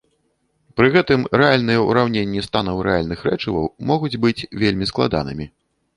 Пры гэтым рэальныя ўраўненні станаў рэальных рэчываў могуць быць вельмі складанымі.